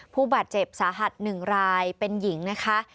ผู้บาดเจ็บสาหัส๑รายเป็นหญิงนะคะ